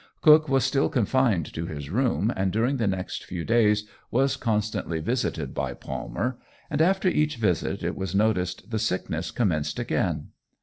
Cook was still confined to his room, and during the next few days, was constantly visited by Palmer, and after each visit it was noticed the sickness commenced again.